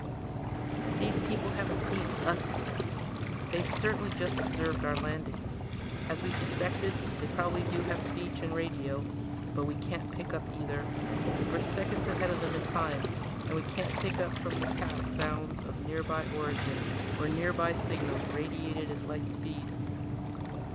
"These people haven't seen us yet. They certainly just observed our landing. As we suspected, they probably do have speech and radio but we can't pick up either. We're seconds ahead of them in time and we can't pick up from the past sounds of nearby origin or nearby signals radiated at light speed.